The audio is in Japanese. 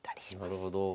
なるほど。